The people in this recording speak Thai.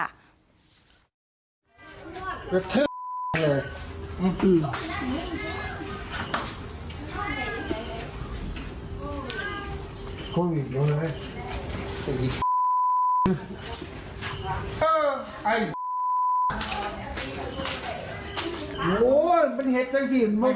แบบเธอแบบอื่น